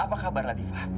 apa kabar latifah